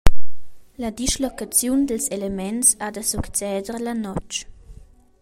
La dislocaziun dils elements ha da succeder la notg.